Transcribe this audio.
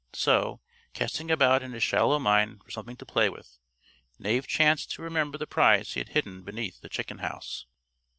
So, casting about in his shallow mind for something to play with, Knave chanced to remember the prize he had hidden beneath the chicken house.